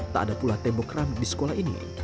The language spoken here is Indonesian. tak ada pula tembok rami di sekolah ini